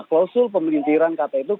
klausul pemelintiran kata itu kaitannya